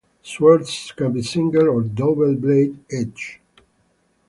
Swords can be single or double-bladed edges.